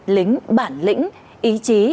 lính bản lĩnh ý chí